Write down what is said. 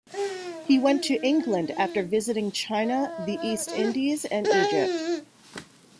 He went to England after visiting China, the East Indies and Egypt.